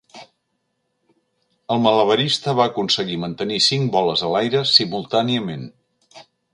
El malabarista va aconseguir mantenir cinc boles a l'aire simultàniament.